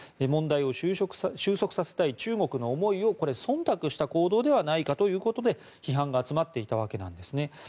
問題を収束させたい中国の思いを忖度した行動ではないかということで批判が集まっていたわけなんですね。